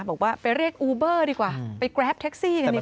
บอกว่าไปเรียกอูเบอร์ดีกว่าไปแกรปแท็กซี่กันดี